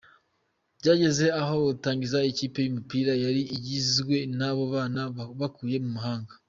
Byageze aho atangiza ikipe y’umupira yari igizwe n’abo bana yakuye mu muhanda.